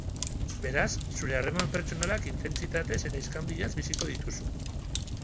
Beraz, zure harreman pertsonalak intentsitatez eta iskanbilaz biziko dituzu.